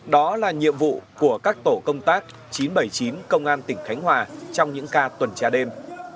đó là nhiệm vụ của các tổ công tác chín trăm bảy mươi chín công an tỉnh khánh hòa trong những ca tuần tra đêm